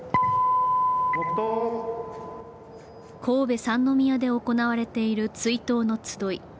神戸・三宮で行われている追悼のつどい。